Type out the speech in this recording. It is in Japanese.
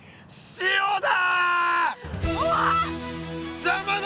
塩だ！